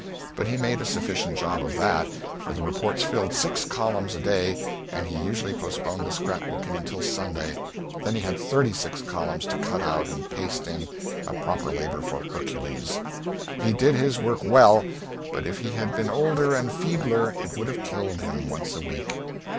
But he made a sufficient job out of that, for the reports filled six columns a day and he usually postponed the scrap booking until Sunday; then he had 36 columns to cut out and paste in a proper labor for Hercules. He did his work well, but if he had been older and feebler it would have killed him once a week.